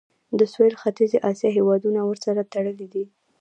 د سویل ختیځې اسیا هیوادونه ورسره تړلي دي.